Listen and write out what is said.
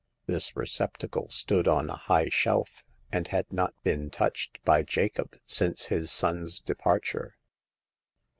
This recep tacle stood on a high shelf, and had not been touched by Jacob since his son's departure.